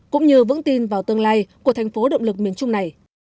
cũng như vững tin vào tương lai của thành phố động lực miền trung này